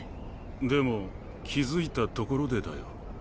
でも気付いたところでだよ。